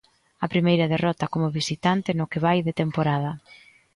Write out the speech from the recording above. A primeira derrota como vistante no que vai de temporada.